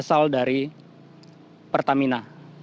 asal dari pertamina